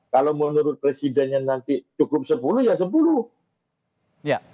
kalau menurut presidennya nanti cukup sepuluh ya sepuluh